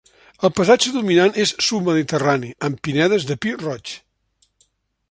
El paisatge dominant és submediterrani, amb pinedes de pi roig.